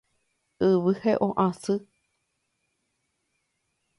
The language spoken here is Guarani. Yvy he'õ asy